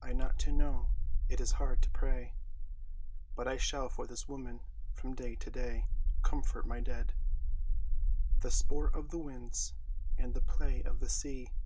I not to know. It is hard to pray, But I shall for this woman from day to day, "Comfort my dead, The sport of the winds and the play of the sea."